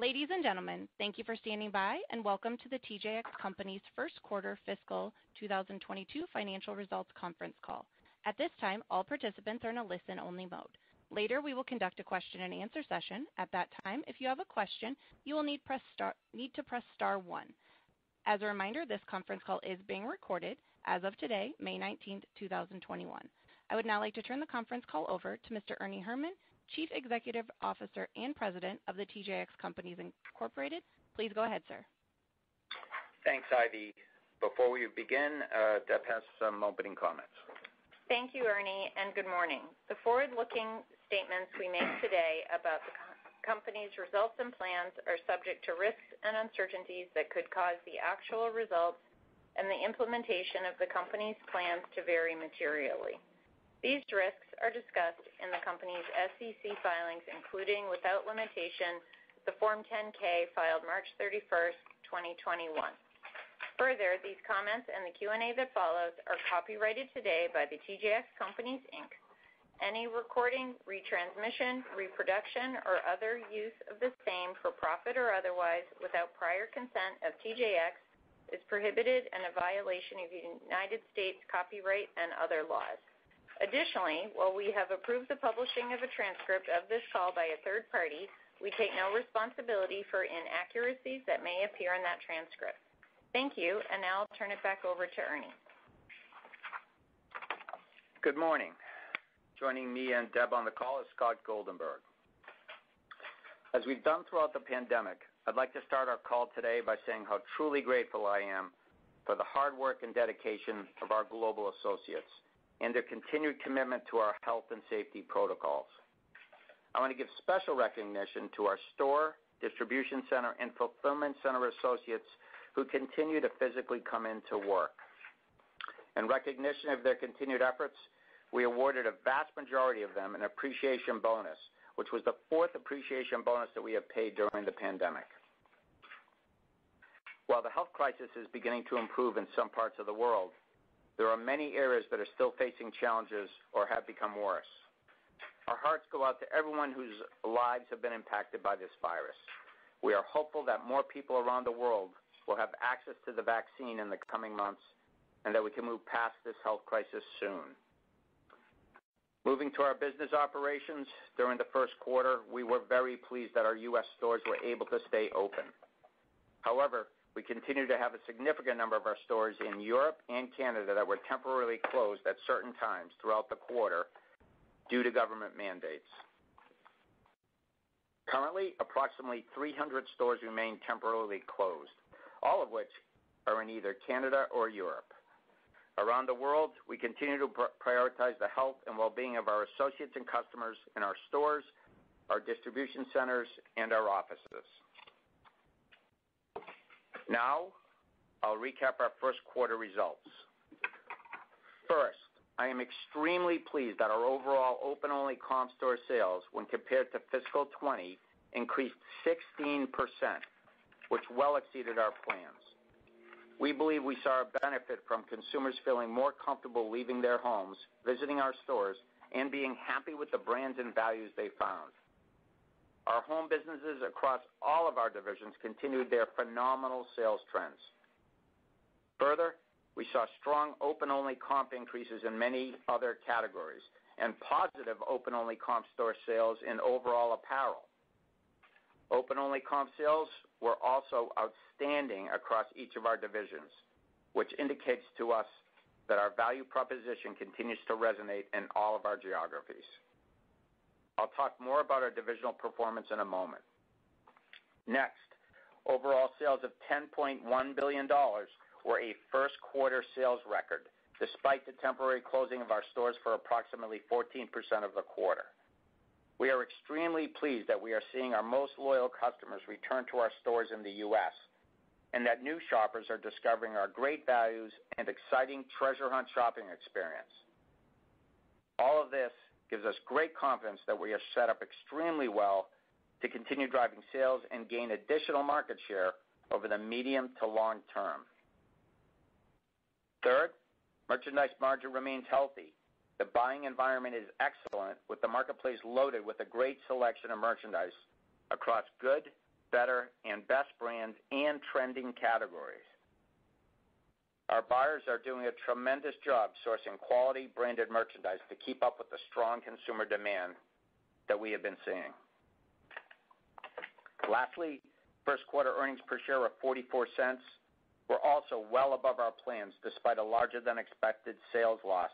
Ladies and gentlemen, thank you for standing by and welcome to The TJX Companies First Quarter Fiscal 2022 financial results conference call. As a reminder, this conference call is being recorded as of today, May 19th, 2021. I would now like to turn the conference call over to Mr. Ernie Herrman, Chief Executive Officer and President of The TJX Companies, Inc. Please go ahead, sir. Thanks, Ivy. Before we begin, Deb has some opening comments. Thank you, Ernie, and good morning. The forward-looking statements we make today about the company's results and plans are subject to risks and uncertainties that could cause the actual results and the implementation of the company's plans to vary materially. These risks are discussed in the company's SEC filings, including, without limitation, the Form 10-K filed March 31st, 2021. These comments and the Q and A that follows are copyrighted today by The TJX Companies, Inc. Any recording, retransmission, reproduction, or other use of the same for profit or otherwise, without prior consent of TJX, is prohibited and a violation of United States copyright and other laws. While we have approved the publishing of a transcript of this call by a third party, we take no responsibility for inaccuracies that may appear in that transcript. Thank you, now I'll turn it back over to Ernie. Good morning. Joining me and Deb on the call is Scott Goldenberg. As we've done throughout the pandemic, I'd like to start our call today by saying how truly grateful I am for the hard work and dedication of our global associates and their continued commitment to our health and safety protocols. I want to give special recognition to our store, distribution center, and fulfillment center associates who continue to physically come into work. In recognition of their continued efforts, we awarded a vast majority of them an appreciation bonus, which was the fourth appreciation bonus that we have paid during the pandemic. The health crisis is beginning to improve in some parts of the world, there are many areas that are still facing challenges or have become worse. Our hearts go out to everyone whose lives have been impacted by this virus. We are hopeful that more people around the world will have access to the vaccine in the coming months, and that we can move past this health crisis soon. Moving to our business operations, during the first quarter, we were very pleased that our U.S. stores were able to stay open. We continue to have a significant number of our stores in Europe and Canada that were temporarily closed at certain times throughout the quarter due to government mandates. Currently, approximately 300 stores remain temporarily closed, all of which are in either Canada or Europe. Around the world, we continue to prioritize the health and well-being of our associates and customers in our stores, our distribution centers, and our offices. I'll recap our first quarter results. First, I am extremely pleased that our overall open-only comp store sales, when compared to fiscal 2020, increased 16%, which well exceeded our plans. We believe we saw a benefit from consumers feeling more comfortable leaving their homes, visiting our stores, and being happy with the brands and values they found. Our home businesses across all of our divisions continued their phenomenal sales trends. Further, we saw strong open-only comp increases in many other categories and positive open-only comp store sales in overall apparel. Open-only comp sales were also outstanding across each of our divisions, which indicates to us that our value proposition continues to resonate in all of our geographies. I'll talk more about our divisional performance in a moment. Next, overall sales of $10.1 billion were a first quarter sales record, despite the temporary closing of our stores for approximately 14% of the quarter. We are extremely pleased that we are seeing our most loyal customers return to our stores in the U.S., and that new shoppers are discovering our great values and exciting treasure hunt shopping experience. All of this gives us great confidence that we are set up extremely well to continue driving sales and gain additional market share over the medium to long term. Third, merchandise margin remains healthy. The buying environment is excellent, with the marketplace loaded with a great selection of merchandise across good, better, and best brands and trending categories. Our buyers are doing a tremendous job sourcing quality branded merchandise to keep up with the strong consumer demand that we have been seeing. Lastly, first quarter earnings per share of $0.44 were also well above our plans, despite a larger than expected sales loss,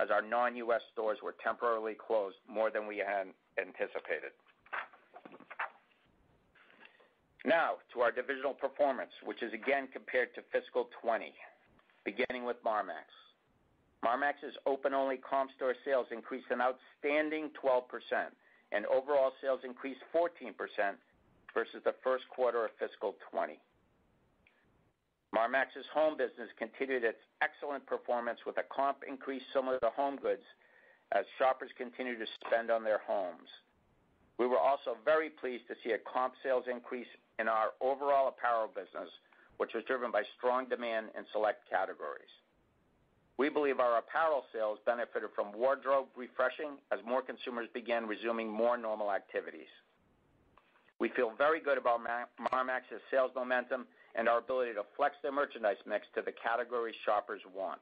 as our non-U.S. stores were temporarily closed more than we had anticipated. To our divisional performance, which is again compared to fiscal 2020, beginning with Marmaxx. Marmaxx's open-only comp store sales increased an outstanding 12%, and overall sales increased 14% versus the first quarter of fiscal 2020. Marmaxx's home business continued its excellent performance with a comp increase similar to HomeGoods as shoppers continued to spend on their homes. We were also very pleased to see a comp sales increase in our overall apparel business, which was driven by strong demand in select categories. We believe our apparel sales benefited from wardrobe refreshing as more consumers began resuming more normal activities. We feel very good about Marmaxx's sales momentum and our ability to flex the merchandise mix to the categories shoppers want.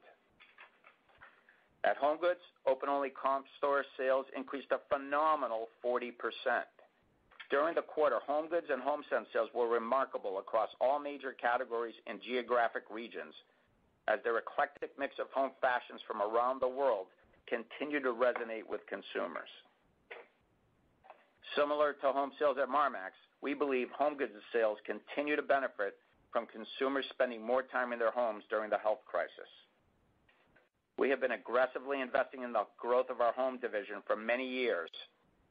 At HomeGoods, open-only comp store sales increased a phenomenal 40%. During the quarter, HomeGoods and Homesense sales were remarkable across all major categories and geographic regions, as their eclectic mix of home fashions from around the world continue to resonate with consumers. Similar to home sales at Marmaxx, we believe HomeGoods' sales continue to benefit from consumers spending more time in their homes during the health crisis. We have been aggressively investing in the growth of our home division for many years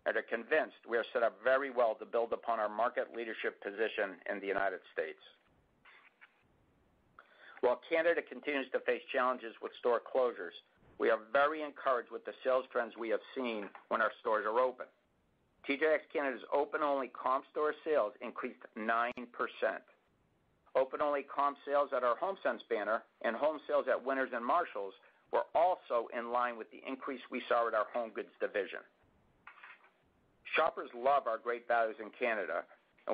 and are convinced we are set up very well to build upon our market leadership position in the United States. While Canada continues to face challenges with store closures, we are very encouraged with the sales trends we have seen when our stores are open. TJX Canada's open-only comp store sales increased 9%. Open-only comp sales at our Homesense banner and home sales at Winners and Marshalls were also in line with the increase we saw at our HomeGoods division.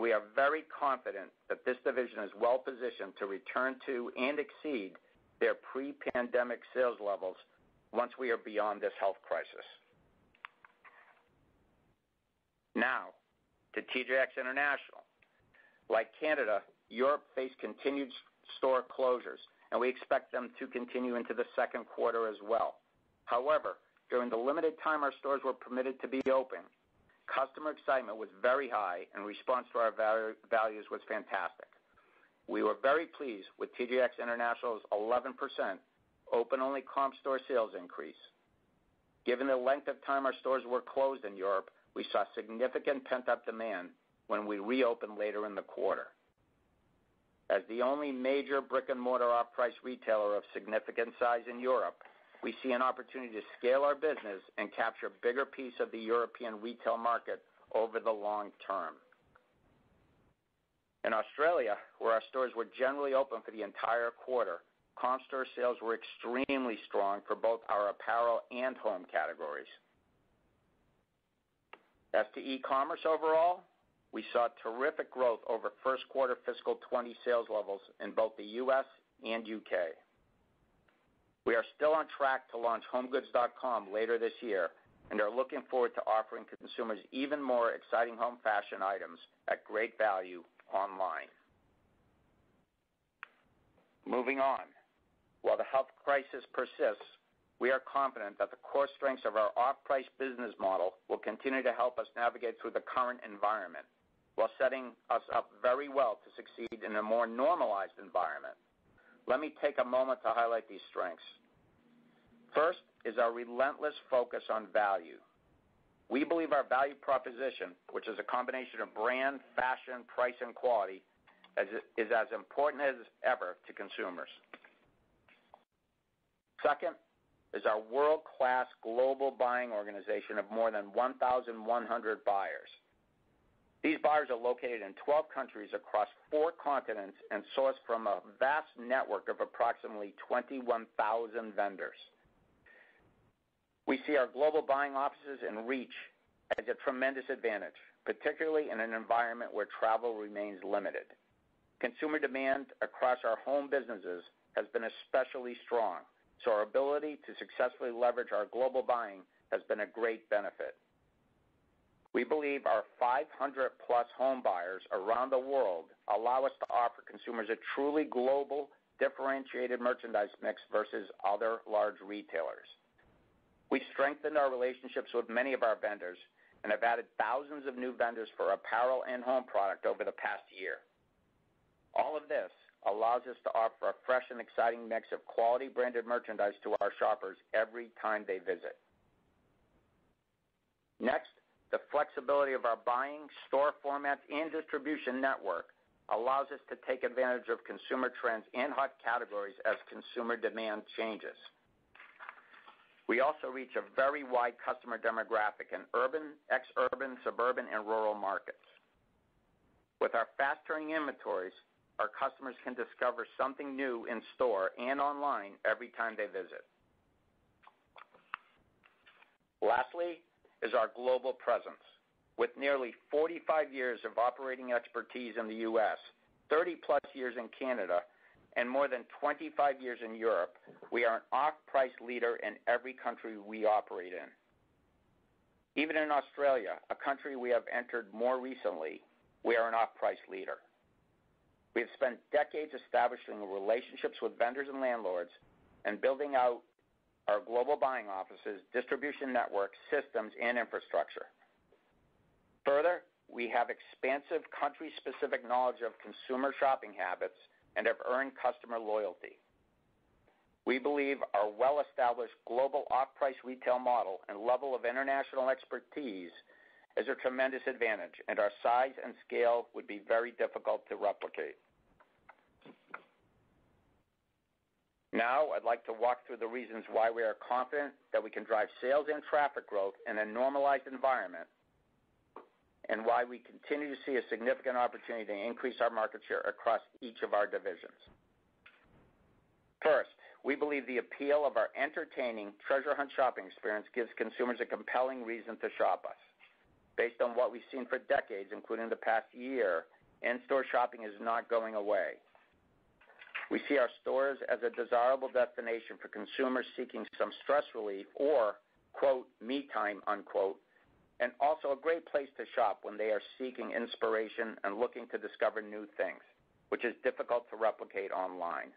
We are very confident that this division is well-positioned to return to and exceed their pre-pandemic sales levels once we are beyond this health crisis. To TJX International. Like Canada, Europe faced continued store closures. We expect them to continue into the second quarter as well. During the limited time our stores were permitted to be open, customer excitement was very high and response to our values was fantastic. We were very pleased with TJX International's 11% open-only comp store sales increase. Given the length of time our stores were closed in Europe, we saw significant pent-up demand when we reopened later in the quarter. As the only major brick-and-mortar off-price retailer of significant size in Europe, we see an opportunity to scale our business and capture a bigger piece of the European retail market over the long term. In Australia, where our stores were generally open for the entire quarter, comp store sales were extremely strong for both our apparel and home categories. As to e-commerce overall, we saw terrific growth over first quarter fiscal 2020 sales levels in both the U.S. and U.K. We are still on track to launch homegoods.com later this year and are looking forward to offering consumers even more exciting home fashion items at great value online. Moving on. While the health crisis persists, we are confident that the core strengths of our off-price business model will continue to help us navigate through the current environment while setting us up very well to succeed in a more normalized environment. Let me take a moment to highlight these strengths. First is our relentless focus on value. We believe our value proposition, which is a combination of brand, fashion, price, and quality, is as important as ever to consumers. Second is our world-class global buying organization of more than 1,100 buyers. These buyers are located in 12 countries across four continents and source from a vast network of approximately 21,000 vendors. We see our global buying offices and reach as a tremendous advantage, particularly in an environment where travel remains limited. Consumer demand across our home businesses has been especially strong, so our ability to successfully leverage our global buying has been a great benefit. We believe our 500-plus home buyers around the world allow us to offer consumers a truly global, differentiated merchandise mix versus other large retailers. We've strengthened our relationships with many of our vendors and have added thousands of new vendors for apparel and home product over the past year. All of this allows us to offer a fresh and exciting mix of quality branded merchandise to our shoppers every time they visit. Next, the flexibility of our buying, store format, and distribution network allows us to take advantage of consumer trends and hot categories as consumer demand changes. We also reach a very wide customer demographic in urban, exurban, suburban, and rural markets. With our fast-turning inventories, our customers can discover something new in store and online every time they visit. Lastly is our global presence. With nearly 45 years of operating expertise in the U.S., 30-plus years in Canada, and more than 25 years in Europe, we are an off-price leader in every country we operate in. Even in Australia, a country we have entered more recently, we are an off-price leader. We have spent decades establishing the relationships with vendors and landlords and building out our global buying offices, distribution networks, systems, and infrastructure. Further, we have expansive country-specific knowledge of consumer shopping habits and have earned customer loyalty. We believe our well-established global off-price retail model and level of international expertise is a tremendous advantage, and our size and scale would be very difficult to replicate. Now, I'd like to walk through the reasons why we are confident that we can drive sales and traffic growth in a normalized environment. Why we continue to see a significant opportunity to increase our market share across each of our divisions. First, we believe the appeal of our entertaining treasure-hunt shopping experience gives consumers a compelling reason to shop us. Based on what we've seen for decades, including the past year, in-store shopping is not going away. We see our stores as a desirable destination for consumers seeking some stress relief or "me time," and also a great place to shop when they are seeking inspiration and looking to discover new things, which is difficult to replicate online.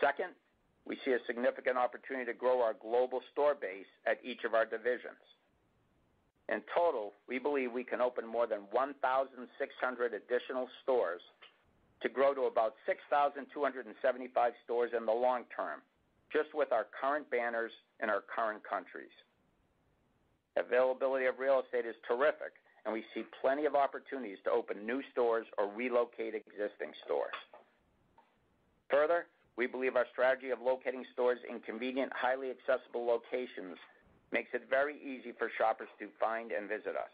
Second, we see a significant opportunity to grow our global store base at each of our divisions. In total, we believe we can open more than 1,600 additional stores to grow to about 6,275 stores in the long term, just with our current banners in our current countries. Availability of real estate is terrific, and we see plenty of opportunities to open new stores or relocate existing stores. Further, we believe our strategy of locating stores in convenient, highly accessible locations makes it very easy for shoppers to find and visit us.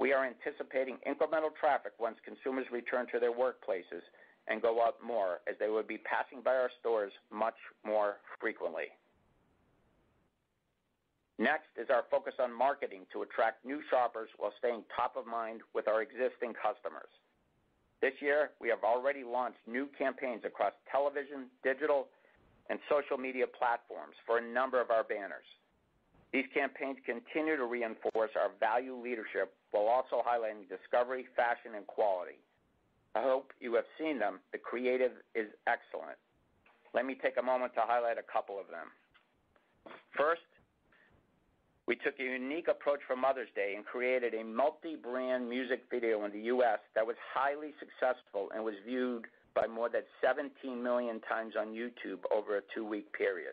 We are anticipating incremental traffic once consumers return to their workplaces and go out more as they will be passing by our stores much more frequently. Next is our focus on marketing to attract new shoppers while staying top of mind with our existing customers. This year, we have already launched new campaigns across television, digital, and social media platforms for a number of our banners. These campaigns continue to reinforce our value leadership while also highlighting discovery, fashion, and quality. I hope you have seen them. The creative is excellent. Let me take a moment to highlight a couple of them. First, we took a unique approach for Mother's Day and created a multi-brand music video in the U.S. that was highly successful and was viewed more than 17 million times on YouTube over a two-week period.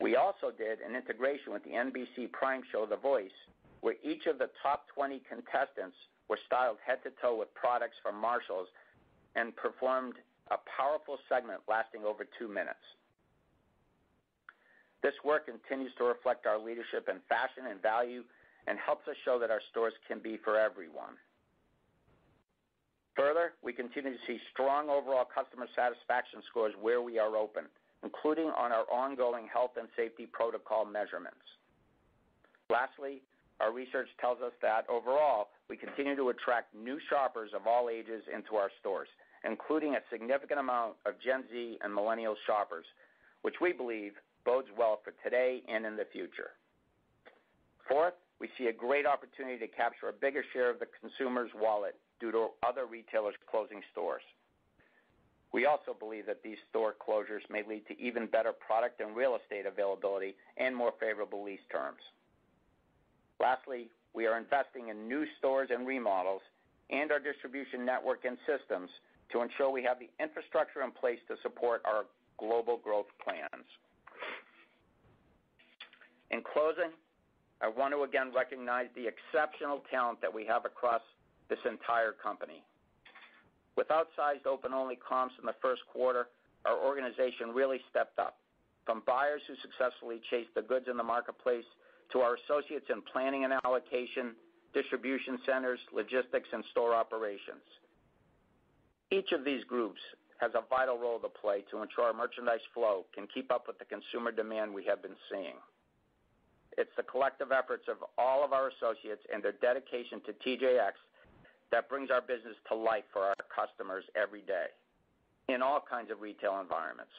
We also did an integration with the NBC prime show, "The Voice," where each of the top 20 contestants were styled head to toe with products from Marshalls and performed a powerful segment lasting over two minutes. This work continues to reflect our leadership in fashion and value and helps us show that our stores can be for everyone. Further, we continue to see strong overall customer satisfaction scores where we are open, including on our ongoing health and safety protocol measurements. Lastly, our research tells us that overall, we continue to attract new shoppers of all ages into our stores, including a significant amount of Gen Z and millennial shoppers, which we believe bodes well for today and in the future. Fourth, we see a great opportunity to capture a bigger share of the consumer's wallet due to other retailers closing stores. We also believe that these store closures may lead to even better product and real estate availability and more favorable lease terms. Lastly, we are investing in new stores and remodels and our distribution network and systems to ensure we have the infrastructure in place to support our global growth plans. In closing, I want to again recognize the exceptional talent that we have across this entire company. With outsized open-only comps in the first quarter, our organization really stepped up, from buyers who successfully chased the goods in the marketplace to our associates in planning and allocation, distribution centers, logistics, and store operations. Each of these groups has a vital role to play to ensure our merchandise flow can keep up with the consumer demand we have been seeing. It's the collective efforts of all of our associates and their dedication to TJX that brings our business to life for our customers every day in all kinds of retail environments.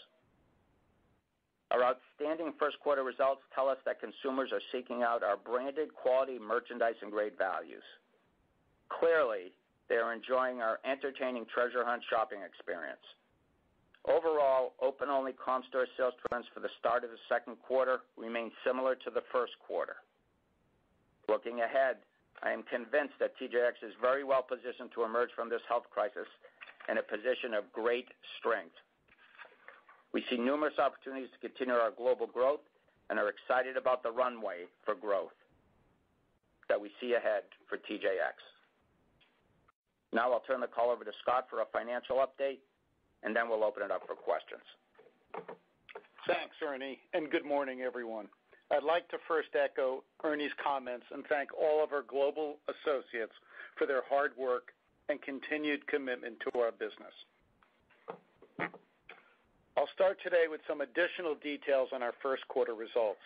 Our outstanding first quarter results tell us that consumers are seeking out our branded quality merchandise and great values. Clearly, they are enjoying our entertaining treasure hunt shopping experience. Overall, open-only comp store sales trends for the start of the second quarter remain similar to the first quarter. Looking ahead, I am convinced that TJX is very well positioned to emerge from this health crisis in a position of great strength. We see numerous opportunities to continue our global growth and are excited about the runway for growth that we see ahead for TJX. Now I'll turn the call over to Scott for a financial update, and then we'll open it up for questions. Thanks, Ernie, and good morning, everyone. I'd like to first echo Ernie's comments and thank all of our global associates for their hard work and continued commitment to our business. I'll start today with some additional details on our first quarter results.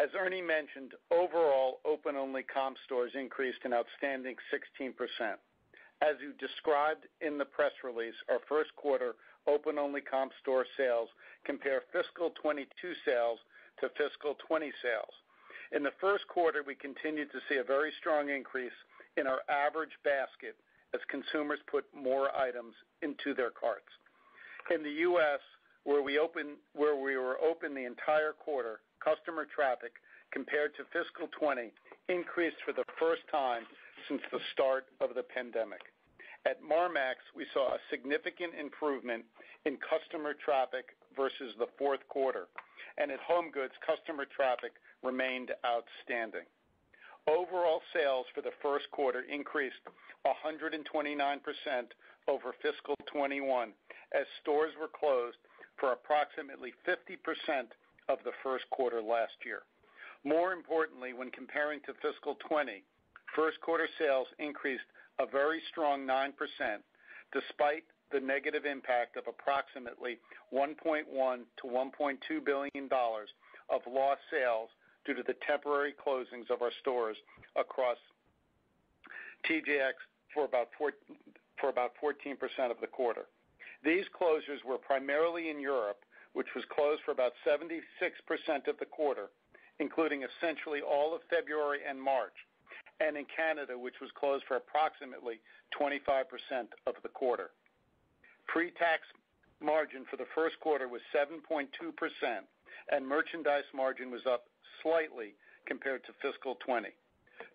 As Ernie mentioned, overall, open-only comp stores increased an outstanding 16%. As we described in the press release, our first quarter open-only comp store sales compare fiscal 2022 sales to fiscal 2020 sales. In the first quarter, we continued to see a very strong increase in our average basket as consumers put more items into their carts. In the U.S., where we were open the entire quarter, customer traffic compared to fiscal 2020 increased for the first time since the start of the pandemic. At Marmaxx, we saw a significant improvement in customer traffic versus the fourth quarter, and at HomeGoods, customer traffic remained outstanding. Overall sales for the first quarter increased 129% over fiscal 2021 as stores were closed for approximately 50% of the first quarter last year. More importantly, when comparing to fiscal 2020, first quarter sales increased a very strong 9%, despite the negative impact of approximately $1.1 billion-$1.2 billion of lost sales due to the temporary closings of our stores across TJX for about 14% of the quarter. These closures were primarily in Europe, which was closed for about 76% of the quarter, including essentially all of February and March, and in Canada, which was closed for approximately 25% of the quarter. Pre-tax margin for the first quarter was 7.2%, and merchandise margin was up slightly compared to fiscal 2020.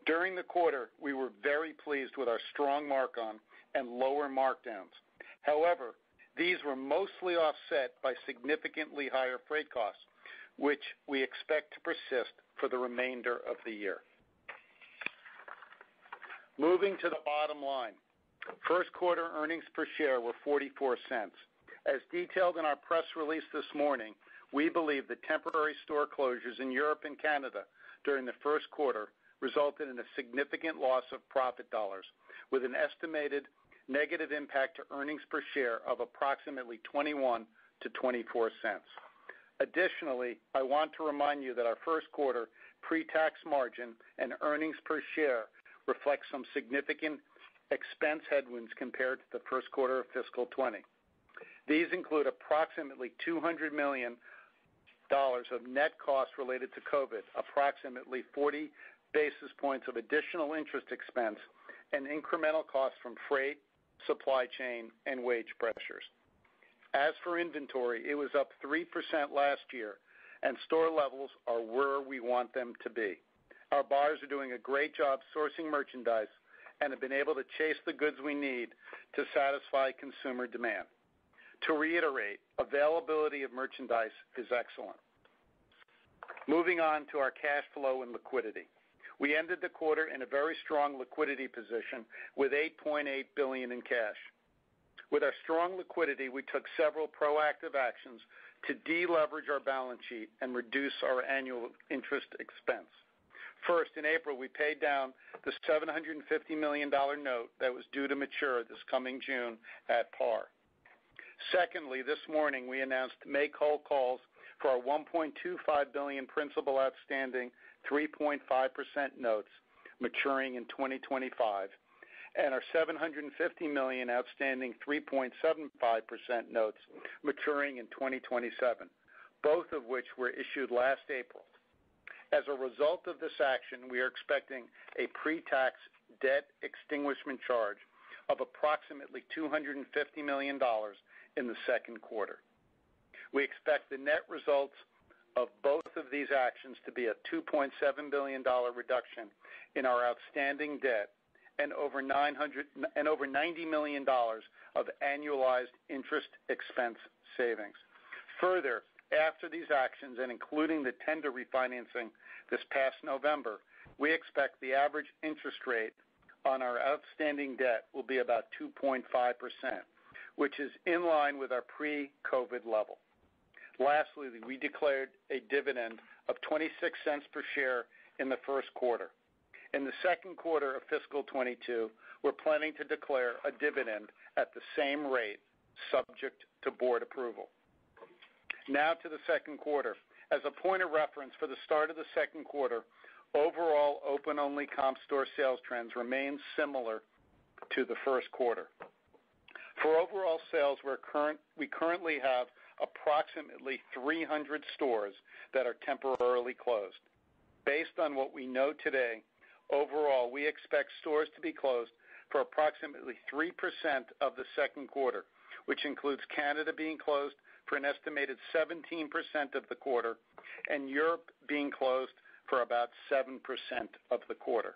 During the quarter, we were very pleased with our strong markon and lower markdowns. These were mostly offset by significantly higher freight costs, which we expect to persist for the remainder of the year. Moving to the bottom line, first quarter earnings per share were $0.44. As detailed in our press release this morning, we believe the temporary store closures in Europe and Canada during the first quarter resulted in a significant loss of profit dollars, with an estimated negative impact to earnings per share of approximately $0.21-$0.24. Additionally, I want to remind you that our first quarter pre-tax margin and earnings per share reflect some significant expense headwinds compared to the first quarter of fiscal 2020. These include approximately $200 million of net costs related to COVID, approximately 40 basis points of additional interest expense, and incremental costs from freight, supply chain, and wage pressures. As for inventory, it was up 3% last year, and store levels are where we want them to be. Our buyers are doing a great job sourcing merchandise and have been able to chase the goods we need to satisfy consumer demand. To reiterate, availability of merchandise is excellent. Moving on to our cash flow and liquidity. We ended the quarter in a very strong liquidity position with $8.8 billion in cash. With our strong liquidity, we took several proactive actions to deleverage our balance sheet and reduce our annual interest expense. First, in April, we paid down the $750 million note that was due to mature this coming June at par. Secondly, this morning, we announced make-whole calls for our $1.25 billion principal outstanding 3.5% notes maturing in 2025, and our $750 million outstanding 3.75% notes maturing in 2027, both of which were issued last April. As a result of this action, we are expecting a pre-tax debt extinguishment charge of approximately $250 million in the second quarter. We expect the net results of both of these actions to be a $2.7 billion reduction in our outstanding debt and over $90 million of annualized interest expense savings. Further, after these actions and including the tender refinancing this past November, we expect the average interest rate on our outstanding debt will be about 2.5%, which is in line with our pre-COVID level. We declared a dividend of $0.26 per share in the first quarter. In the second quarter of fiscal 2022, we're planning to declare a dividend at the same rate subject to board approval. To the second quarter. As a point of reference for the start of the second quarter, overall open-only comp store sales trends remain similar to the first quarter. For overall sales, we currently have approximately 300 stores that are temporarily closed. Based on what we know today, overall, we expect stores to be closed for approximately 3% of the second quarter, which includes Canada being closed for an estimated 17% of the quarter and Europe being closed for about 7% of the quarter.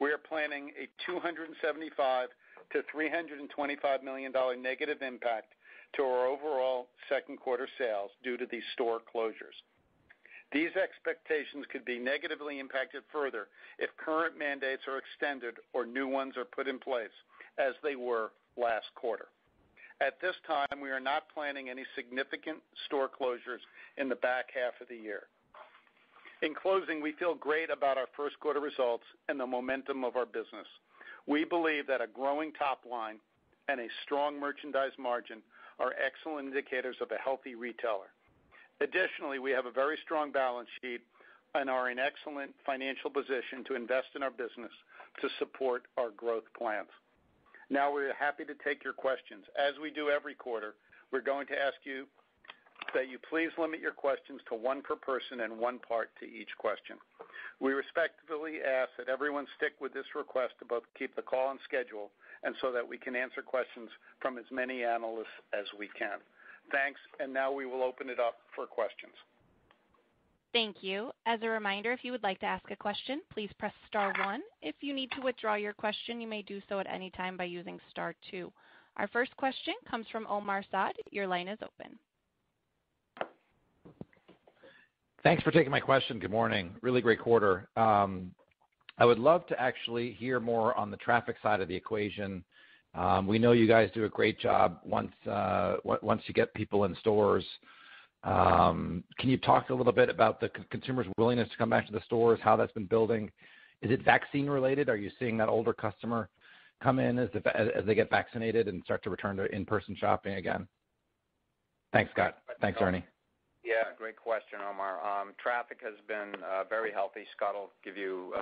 We are planning a $275 million-$325 million negative impact to our overall second quarter sales due to these store closures. These expectations could be negatively impacted further if current mandates are extended or new ones are put in place, as they were last quarter. At this time, we are not planning any significant store closures in the back half of the year. In closing, we feel great about our first quarter results and the momentum of our business. We believe that a growing top line and a strong merchandise margin are excellent indicators of a healthy retailer. Additionally, we have a very strong balance sheet and are in excellent financial position to invest in our business to support our growth plans. Now, we are happy to take your questions. As we do every quarter, we're going to ask you that you please limit your questions to one per person and one part to each question. We respectfully ask that everyone stick with this request to both keep the call on schedule and so that we can answer questions from as many analysts as we can. Thanks. We will open it up for questions. Thank you. As a reminder, if you would like to ask a question, please press star one. If you need to withdraw your question, you may do so at any time by using star two. Our first question comes from Omar Saad. Your line is open. Thanks for taking my question. Good morning. Really great quarter. I would love to actually hear more on the traffic side of the equation. We know you guys do a great job once you get people in stores. Can you talk a little bit about the consumer's willingness to come back to the stores, how that's been building? Is it vaccine related? Are you seeing that older customer come in as they get vaccinated and start to return to in-person shopping again? Thanks, Scott. Thanks, Ernie. Yeah. Great question, Omar. Traffic has been very healthy. Scott will give you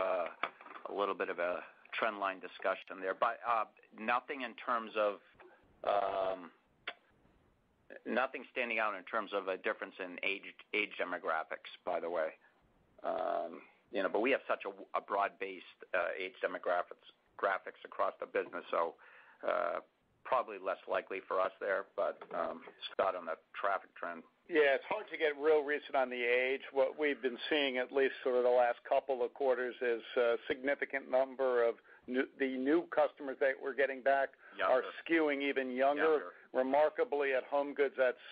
a little bit of a trend line discussion there, but nothing standing out in terms of a difference in age demographics, by the way. We have such a broad-based age demographics across the business, so probably less likely for us there. Scott, on the traffic trend. Yeah, it's hard to get real recent on the age. What we've been seeing, at least sort of the last couple of quarters, is a significant number of the new customers that we're getting back are skewing even younger. Younger. Remarkably at HomeGoods, that's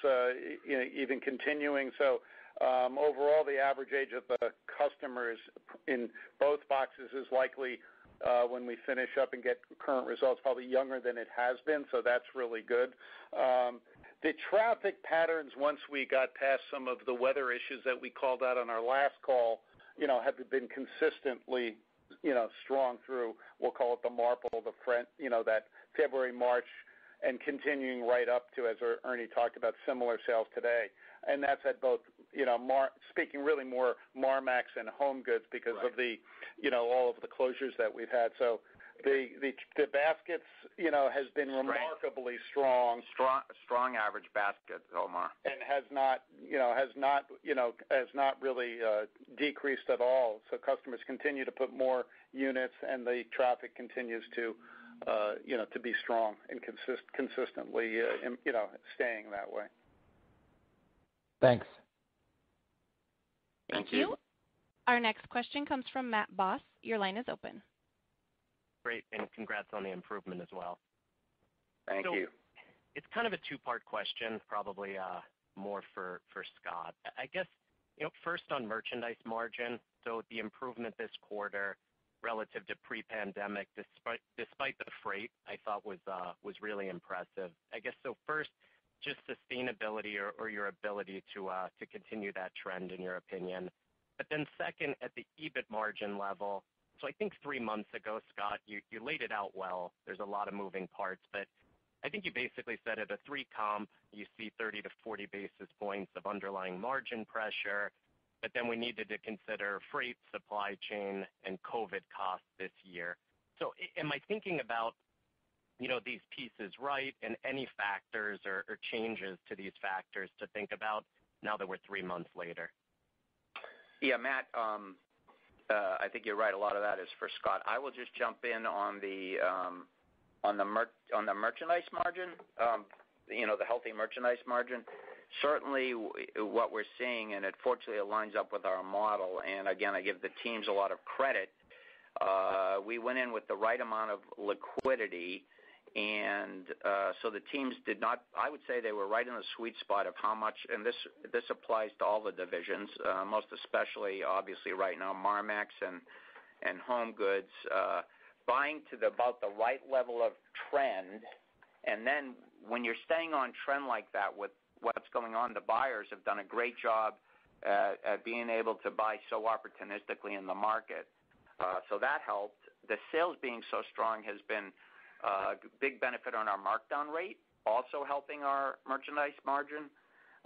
even continuing. Overall, the average age of the customers in both boxes is likely, when we finish up and get current results, probably younger than it has been. That's really good. The traffic patterns, once we got past some of the weather issues that we called out on our last call, have been consistently strong through, we'll call it the [model] of the current, you know that February, March, and continuing right up to, as Ernie talked about, similar sales today. That's at both, speaking really more Marmaxx and HomeGoods because of all of the closures that we've had. The baskets has been remarkably strong. Strong average baskets, Omar. Has not really decreased at all. Customers continue to put more units and the traffic continues to be strong and consistently staying that way. Thanks. Thank you. Our next question comes from Matthew Boss. Your line is open. Great, congrats on the improvement as well. Thank you. It's kind of a two-part question, probably more for Scott. I guess, first on merchandise margin. The improvement this quarter relative to pre-pandemic, despite the freight, I thought was really impressive. Just sustainability or your ability to continue that trend in your opinion. Second, at the EBIT margin level. I think three months ago, Scott, you laid it out well. There's a lot of moving parts, but I think you basically said at a three comp, you see 30-40 basis points of underlying margin pressure, we needed to consider freight, supply chain, and COVID costs this year. Am I thinking about these pieces right, and any factors or changes to these factors to think about now that we're three months later? Yeah, Matt, I think you're right. A lot of that is for Scott. I will just jump in on the healthy merchandise margin. Certainly, what we're seeing, and it fortunately lines up with our model, and again, I give the teams a lot of credit. We went in with the right amount of liquidity, the teams did not, I would say they were right in the sweet spot of how much, and this applies to all the divisions most especially obviously right now Marmaxx and HomeGoods, buying to about the right level of trend. When you're staying on trend like that with what's going on, the buyers have done a great job at being able to buy so opportunistically in the market. That helped. The sales being so strong has been a big benefit on our markdown rate, also helping our merchandise margin.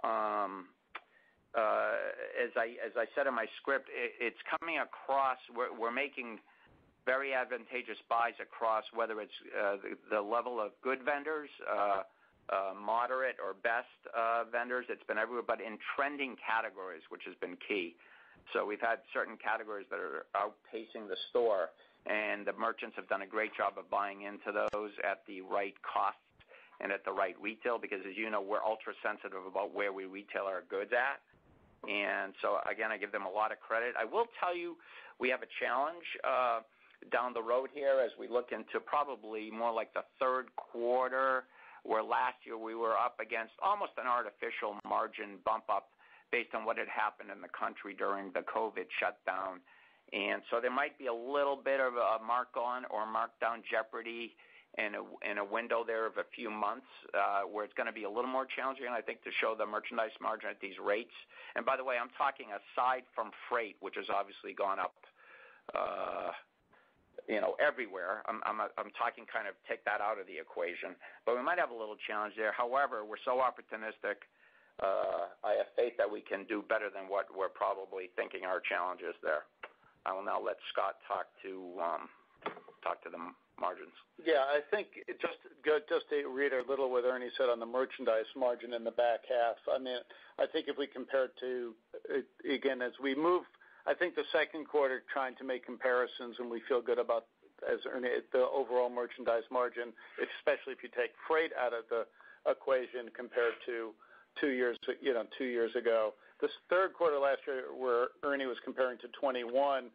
As I said in my script, it's coming across, we're making very advantageous buys across whether it's the level of good vendors, moderate, or best vendors. It's been everybody in trending categories, which has been key. We've had certain categories that are outpacing the store, and the merchants have done a great job of buying into those at the right cost and at the right retail. As you know, we're ultra sensitive about where we retail our goods at, and so again, I give them a lot of credit. I will tell you, we have a challenge down the road here as we look into probably more like the third quarter, where last year we were up against almost an artificial margin bump up based on what had happened in the country during the COVID shutdown. There might be a little bit of a markon or markdown jeopardy in a window there of a few months, where it's going to be a little more challenging, I think, to show the merchandise margin at these rates. By the way, I'm talking aside from freight, which has obviously gone up everywhere. I'm talking kind of take that out of the equation. We might have a little challenge there. However, we're so opportunistic. I have faith that we can do better than what we're probably thinking our challenge is there. I will now let Scott talk to the margins. Yeah, I think just to reiterate a little what Ernie said on the merchandise margin in the back half. I think if we compare it to, again, as we move, I think the second quarter trying to make comparisons and we feel good about, as Ernie, the overall merchandise margin, especially if you take freight out of the equation compared to two years ago. This third quarter last year, where Ernie was comparing to fiscal 2021,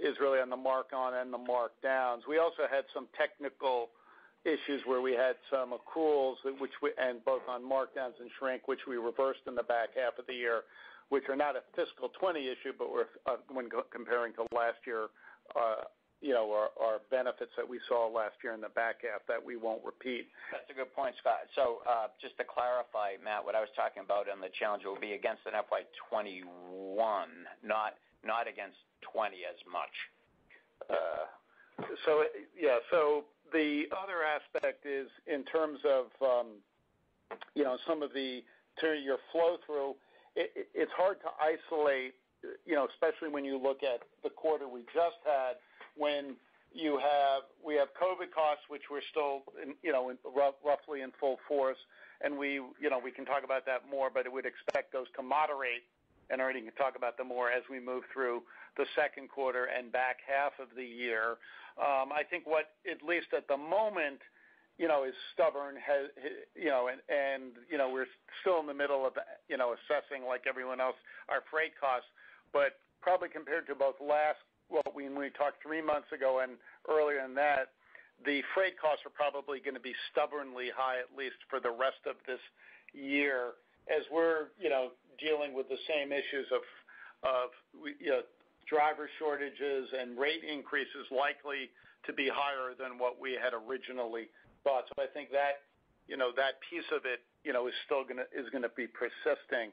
is really on the markon and the markdowns. We also had some technical issues where we had some accruals, both on markdowns and shrink, which we reversed in the back half of the year, which are not a fiscal 2020 issue, but when comparing to last year, our benefits that we saw last year in the back half that we won't repeat. That's a good point, Scott. Just to clarify, Matt, what I was talking about in the challenge will be against an FY 2021, not against 2020 as much. The other aspect is in terms of turning your flow through, it's hard to isolate, especially when you look at the quarter we just had, when we have COVID costs, which we're still roughly in full force, and we can talk about that more, but I would expect those to moderate, and Ernie can talk about them more as we move through the second quarter and back half of the year. I think what, at least at the moment, is stubborn, and we're still in the middle of assessing, like everyone else, our freight costs, but probably compared to both when we talked three months ago and earlier than that, the freight costs are probably going to be stubbornly high, at least for the rest of this year, as we're dealing with the same issues of driver shortages and rate increases likely to be higher than what we had originally thought. I think that piece of it is going to be persisting.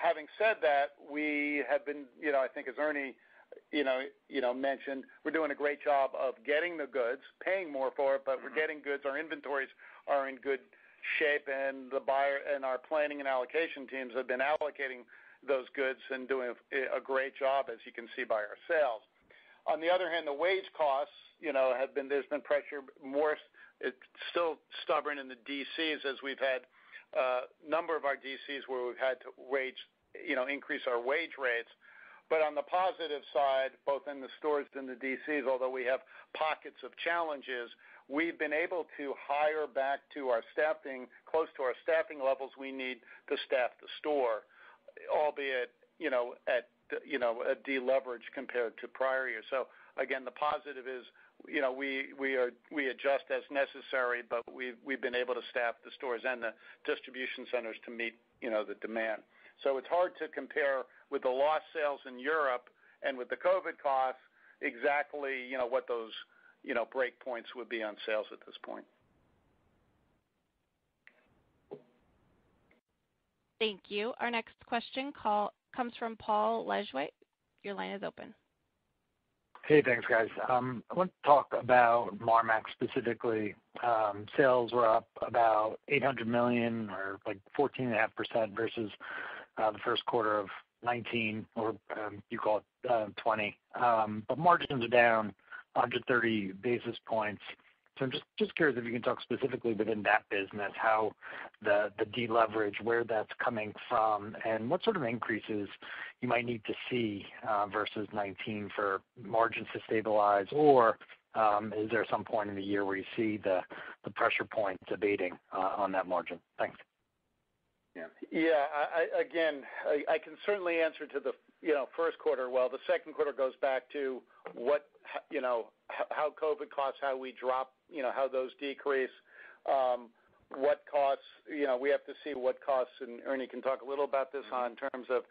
Having said that, I think as Ernie mentioned, we're doing a great job of getting the goods, paying more for it, but we're getting goods. Our inventories are in good shape and our planning and allocation teams have been allocating those goods and doing a great job, as you can see by our sales. The wage costs, there's been pressure more. It's still stubborn in the DCs as we've had a number of our DCs where we've had to increase our wage rates. On the positive side, both in the stores and the DCs, although we have pockets of challenges, we've been able to hire back close to our staffing levels we need to staff the store, albeit at deleverage compared to prior years. Again, the positive is we adjust as necessary, but we've been able to staff the stores and the distribution centers to meet the demand. It's hard to compare with the lost sales in Europe and with the COVID costs exactly what those breakpoints would be on sales at this point. Thank you. Our next question comes from Paul Lejuez. Hey, thanks, guys. I want to talk about Marmaxx specifically. Sales were up about $800 million or 14.5% versus the first quarter of 2019, or you call it 2020. Margins are down 130 basis points. I'm just curious if you can talk specifically within that business, how the deleverage, where that's coming from, and what sort of increases you might need to see versus 2019 for margins to stabilize. Is there some point in the year where you see the pressure points abating on that margin? Thanks. Yeah. Again, I can certainly answer to the first quarter. Well, the second quarter goes back to how COVID costs, how we drop, how those decrease. We have to see what costs. Ernie can talk a little about this in terms of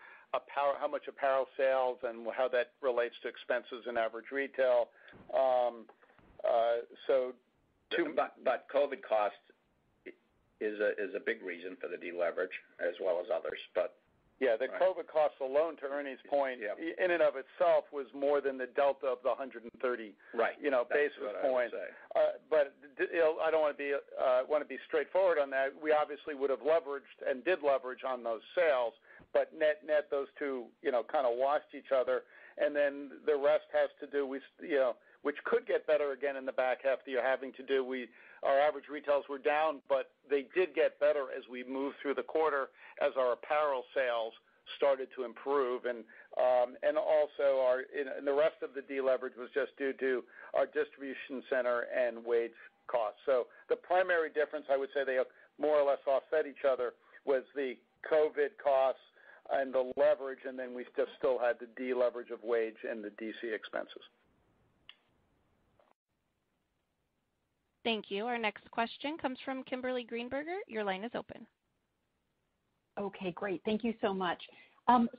how much apparel sales and how that relates to expenses and average retail. Two, but COVID cost is a big reason for the deleverage as well as others. Yeah, the COVID cost alone, to Ernie point, in and of itself was more than the delta of the 130 basis point. Right. That's what I'd say. I want to be straightforward on that. We obviously would have leveraged and did leverage on those sales, but net-net, those two kind of watched each other. The rest has to do with, which could get better again in the back half of the year, having to do with our average retails were down, but they did get better as we moved through the quarter as our apparel sales started to improve. The rest of the deleverage was just due to our distribution center and wage costs. The primary difference, I would say they more or less offset each other was the COVID costs and the leverage, and then we still had the deleverage of wage and the DC expenses. Thank you. Our next question comes from Kimberly Greenberger. Your line is open. Okay, great. Thank you so much.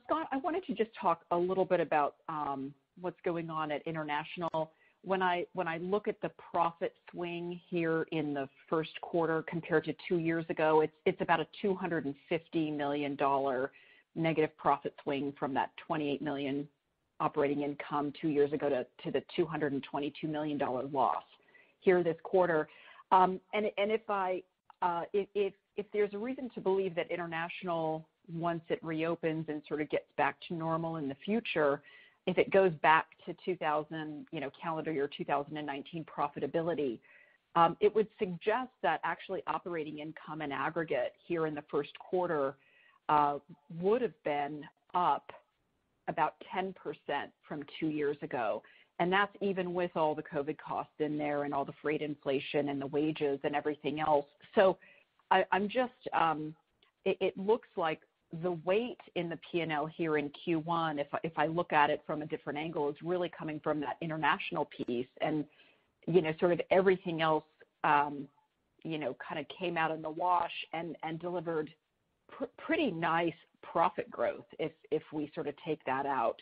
Scott, I wonder if you could just talk a little bit about what's going on at international. When I look at the profit swing here in the first quarter compared to two years ago, it's about a $250 million negative profit swing from that $28 million operating income two years ago to the $222 million loss here this quarter. If there's a reason to believe that international, once it reopens and sort of gets back to normal in the future, if it goes back to calendar year 2019 profitability, it would suggest that actually operating income in aggregate here in the first quarter would have been up about 10% from two years ago. That's even with all the COVID costs in there and all the freight inflation and the wages and everything else. It looks like the weight in the P&L here in Q1, if I look at it from a different angle, is really coming from that international piece. Everything else came out in the wash and delivered pretty nice profit growth if we take that out.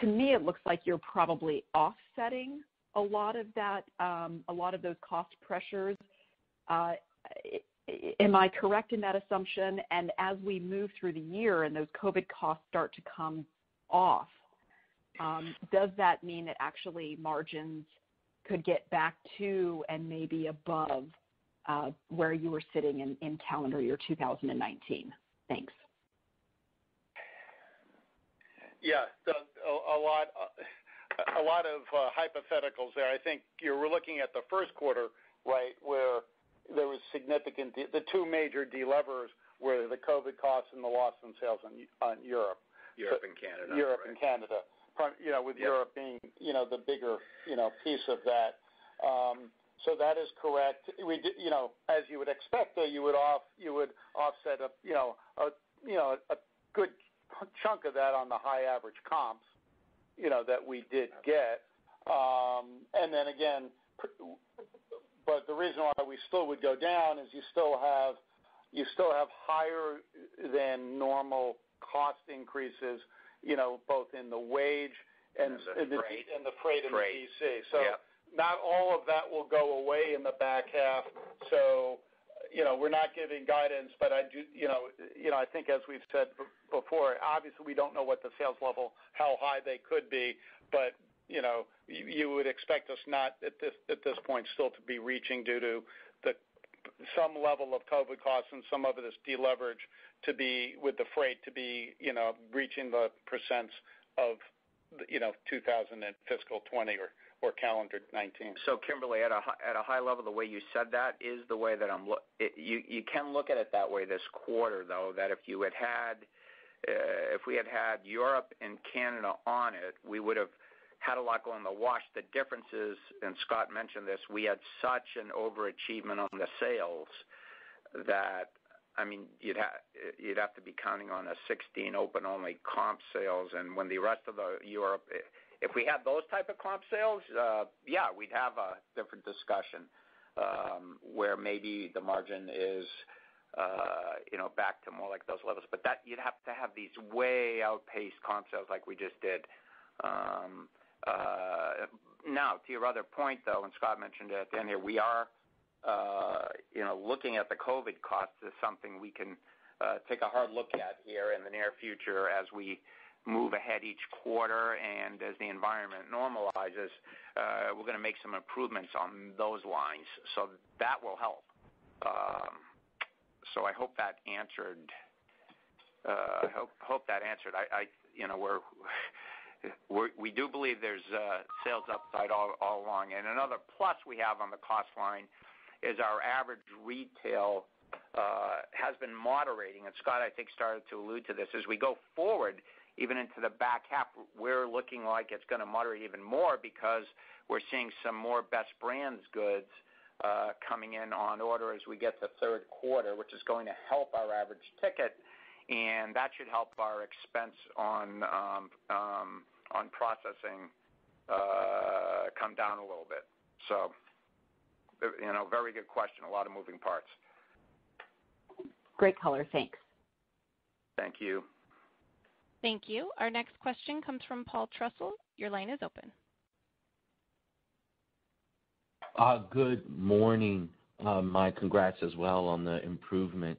To me, it looks like you're probably offsetting a lot of those cost pressures. Am I correct in that assumption? As we move through the year and those COVID costs start to come off, does that mean that actually margins could get back to and maybe above where you were sitting in calendar year 2019? Thanks. Yeah. A lot of hypotheticals there. I think you were looking at the first quarter, where there was significant, the two major delevers were the COVID costs and the loss in sales on Europe. Europe and Canada, Europe and Canada. With Europe being the bigger piece of that. That is correct. As you would expect, though, you would offset a good chunk of that on the high average comps that we did get. Then again, the reason why we still would go down is you still have higher than normal cost increases both in the wage and- the freight in the freight and the DC. Yeah. Not all of that will go away in the back half. We're not giving guidance, but I think as we've said before, obviously we don't know what the sales level, how high they could be, but you would expect us not at this point still to be reaching due to some level of COVID costs and some of it is deleverage with the freight to be reaching the percents of 2000 and fiscal 2020 or calendar 2019. Kimberly, at a high level, the way you said that is the way that You can look at it that way this quarter, though, that if we had had Europe and Canada on it, we would've had a lot go in the wash. The difference is, and Scott mentioned this, we had such an overachievement on the sales that you'd have to be counting on a 16 open-only comp sales. When the rest of the Europe If we have those type of comp sales, yeah, we'd have a different discussion, where maybe the merchandise margin is back to more like those levels. You'd have to have these way outpaced comp sales like we just did. Now, to your other point, though, and Scott mentioned it at the end, we are looking at the COVID cost as something we can take a hard look at here in the near future as we move ahead each quarter and as the environment normalizes. We're going to make some improvements on those lines. That will help. I hope that answered. We do believe there's a sales upside all along. Another plus we have on the cost line is our average retail has been moderating. Scott, I think, started to allude to this. As we go forward, even into the back half, we're looking like it's going to moderate even more because we're seeing some more best brands goods coming in on order as we get to the third quarter, which is going to help our average ticket, and that should help our expense on processing come down a little bit. Very good question. A lot of moving parts. Great color. Thanks. Thank you. Thank you. Our next question comes from Paul Trussell. Your line is open. Good morning. My congrats as well on the improvement.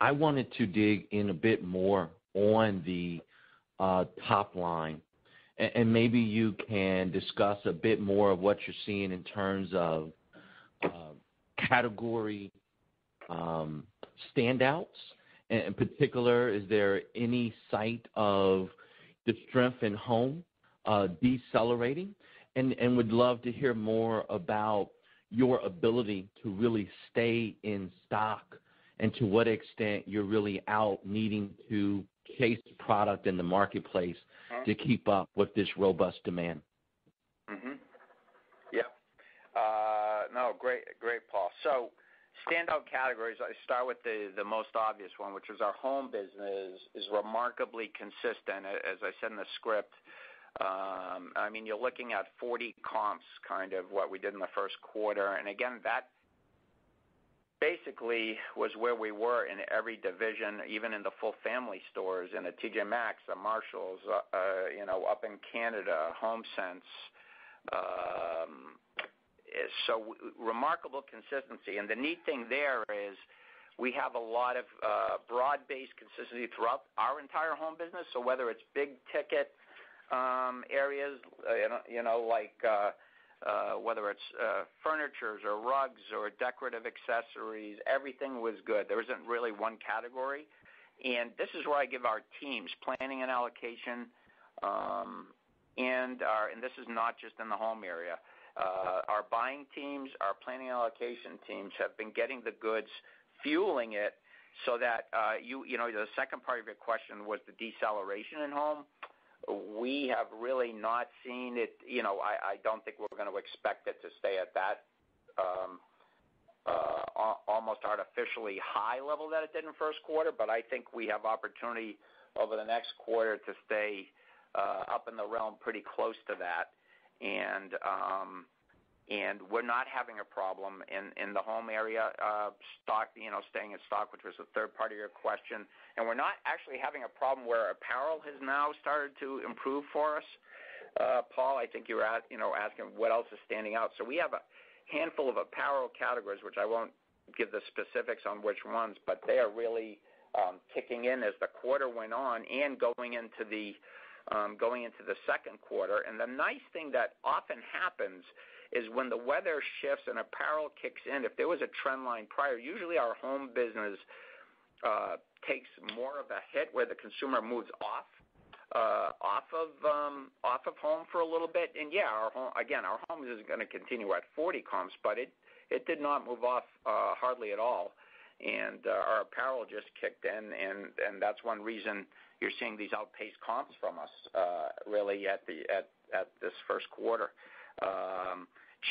I wanted to dig in a bit more on the top line, and maybe you can discuss a bit more of what you're seeing in terms of category standouts. In particular, is there any sight of the strength in home decelerating? Would love to hear more about your ability to really stay in stock and to what extent you're really out needing to chase product in the marketplace to keep up with this robust demand. Yeah. Great, Paul. Standout categories, I start with the most obvious one, which is our home business is remarkably consistent, as I said in the script. You're looking at 40 comps, what we did in the first quarter. Again, that basically was where we were in every division, even in the full family stores, in the T.J. Maxx, the Marshalls, up in Canada, Homesense. Remarkable consistency. The neat thing there is we have a lot of broad-based consistency throughout our entire home business. Whether it's big-ticket areas like whether it's furnitures or rugs or decorative accessories, everything was good. There isn't really one category. This is where I give our teams planning and allocation, and this is not just in the home area. Our buying teams, our planning allocation teams have been getting the goods, fueling it. The second part of your question was the deceleration in home. We have really not seen it. I don't think we're going to expect it to stay at that almost artificially high level that it did in the first quarter. I think we have opportunity over the next quarter to stay up in the realm pretty close to that. We're not having a problem in the home area of staying in stock, which was the third part of your question. We're not actually having a problem where apparel has now started to improve for us. Paul, I think you're asking what else is standing out. We have a handful of apparel categories, which I won't give the specifics on which ones, but they are really kicking in as the quarter went on and going into the second quarter. The nice thing that often happens is when the weather shifts and apparel kicks in, if there was a trend line prior, usually our home business takes more of a hit where the consumer moves off of home for a little bit. Yeah, again, our home business is going to continue at 40 comps, but it did not move off hardly at all. Our apparel just kicked in, and that's one reason you're seeing these outpaced comps from us really at this first quarter.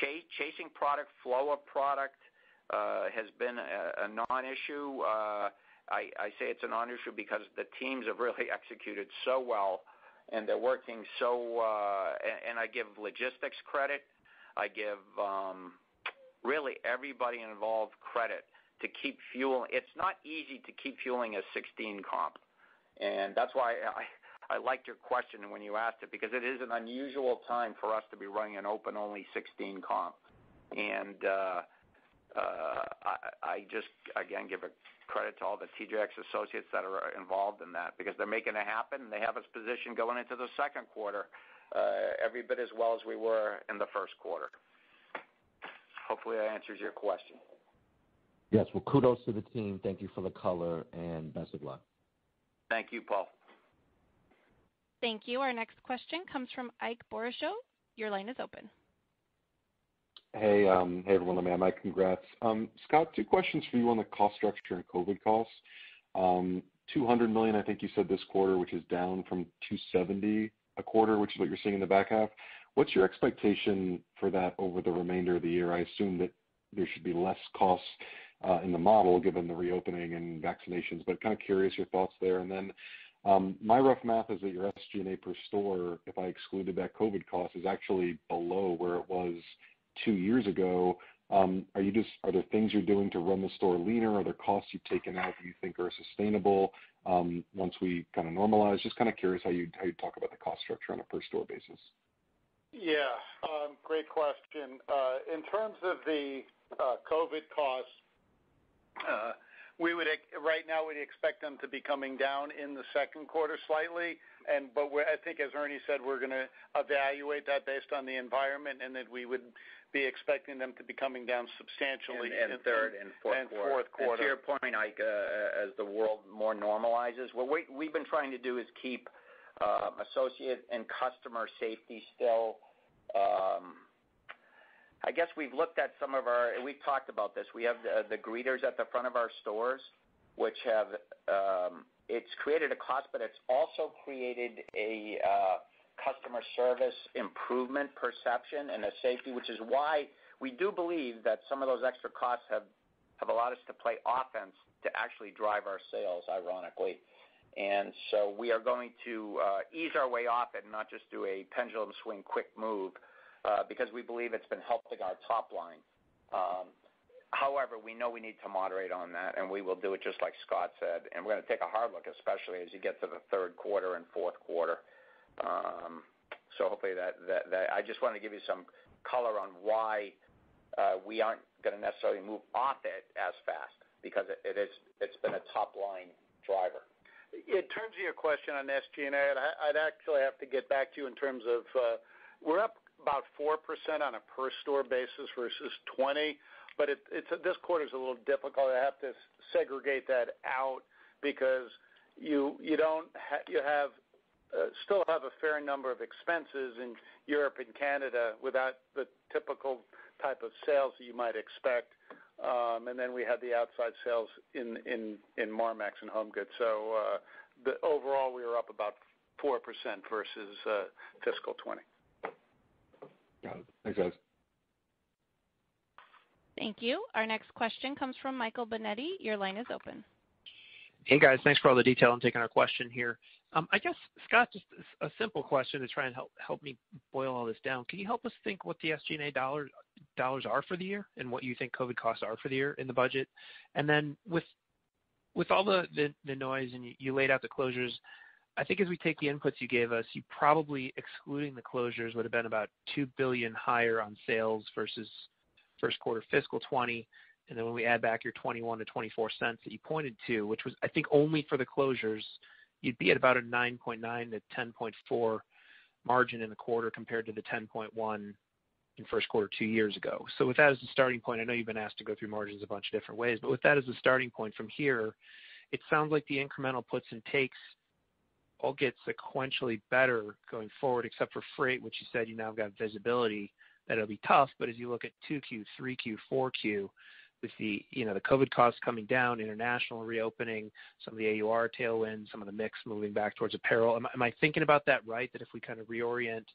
Chasing product, flow of product has been a non-issue. I say it's a non-issue because the teams have really executed so well. I give logistics credit. I give really everybody involved credit to keep fueling. It's not easy to keep fueling a 16 comp. That's why I liked your question when you asked it, because it is an unusual time for us to be running an open only 16 comp. I just, again, give credit to all the TJX associates that are involved in that because they're making it happen. They have us positioned going into the second quarter every bit as well as we were in the first quarter. Hopefully, that answers your question. Yes. Well, kudos to the team. Thank you for the color, and best of luck. Thank you, Paul. Thank you. Our next question comes from Ike Boruchow. Your line is open. Hey. Hey, everyone. Man, my congrats. Scott, two questions for you on the cost structure and COVID costs. $200 million, I think you said this quarter, which is down from $270 a quarter, which is what you're seeing in the back half. What's your expectation for that over the remainder of the year? I assume that there should be less cost in the model given the reopening and vaccinations, curious your thoughts there. My rough math is that your SG&A per store, if I excluded that COVID cost, is actually below where it was two years ago. Are there things you're doing to run the store leaner? Are there costs you've taken out that you think are sustainable once we kind of normalize? Just kind of curious how you'd talk about the cost structure on a per store basis. Yeah. Great question. In terms of the COVID costs, right now we expect them to be coming down in the second quarter slightly. I think as Ernie said, we're going to evaluate that based on the environment and that we would be expecting them to be coming down substantially into the third and fourth quarter. That's your point, Ike, as the world more normalizes. What we've been trying to do is keep associate and customer safety still. We've talked about this. We have the greeters at the front of our stores, which have created a cost, but it's also created a customer service improvement perception and a safety, which is why we do believe that some of those extra costs have allowed us to play offense to actually drive our sales, ironically. We are going to ease our way off it and not just do a pendulum swing quick move because we believe it's been helpful to our top line. However, we know we need to moderate on that, and we will do it just like Scott said. We're going to take a hard look, especially as we get to the third quarter and fourth quarter. Hopefully I just want to give you some color on why we aren't going to necessarily move off it as fast because it's been a top-line driver. In terms of your question on SG&A, I'd actually have to get back to you in terms of, we're up about 4% on a per store basis versus 2020. This quarter's a little difficult. I have to segregate that out because you still have a fair number of expenses in Europe and Canada without the typical type of sales that you might expect. Then we have the outside sales in Marmaxx and HomeGoods. Overall, we are up about 4% versus fiscal 2020. Got it. Thanks, guys. Thank you. Our next question comes from Michael Binetti. Your line is open. Hey, guys, thanks for all the detail. I'm taking a question here. I guess, Scott, just a simple question to try and help me boil all this down. Can you help us think what the SG&A dollars are for the year and what you think COVID costs are for the year in the budget? With all the noise and you laid out the closures, I think if we take the inputs you gave us, you probably, excluding the closures, would've been about $2 billion higher on sales versus first quarter fiscal 2020. When we add back your $0.21-$0.24 that you pointed to, which was, I think, only for the closures, you'd be at about a 9.9%-10.4% margin in the quarter compared to the 10.1% in first quarter two years ago. With that as a starting point, I know you've been asked to go through margins a bunch of different ways, but with that as a starting point from here, it sounds like the incremental puts and takes all get sequentially better going forward, except for freight, which you said you now got visibility. That'll be tough. As you look at 2Q, 3Q, 4Q, with the COVID costs coming down, international reopening, some of the AUR tailwind, some of the mix moving back towards apparel. Am I thinking about that right? That if we reorient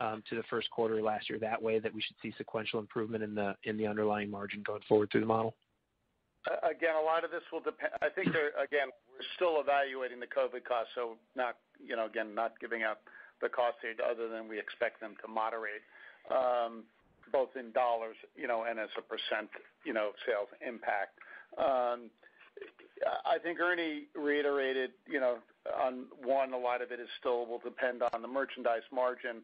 to the first quarter last year that way, that we should see sequential improvement in the underlying margin going forward through the model? A lot of this will depend. We're still evaluating the COVID cost, not giving out the cost data other than we expect them to moderate, both in dollars, and as a percent sales impact. Ernie reiterated, on one, a lot of it still will depend on the merchandise margin,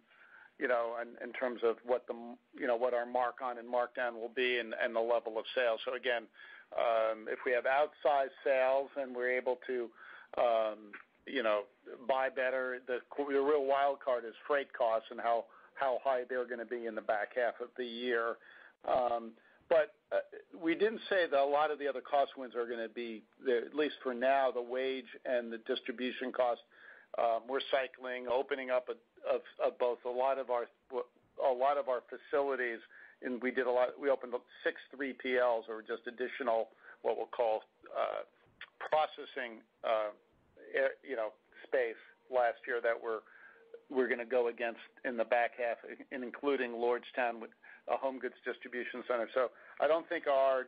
in terms of what our markon and markdown will be and the level of sales. If we have outsized sales and we're able to buy better, the real wild card is freight costs and how high they're going to be in the back half of the year. We didn't say that a lot of the other cost wins are going to be, at least for now, the wage and the distribution costs. We're cycling, opening up both a lot of our facilities, and we opened up six [VTLs or just additional, what we'll call, processing space last year that we're going to go against in the back half, including Lordstown with a HomeGoods distribution center. I don't think our